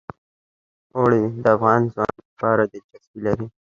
اوړي د افغان ځوانانو لپاره دلچسپي لري.